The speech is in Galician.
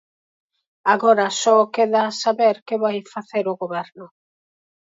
Agora só queda saber que vai facer o Goberno.